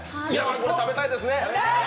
これ食べたいですね？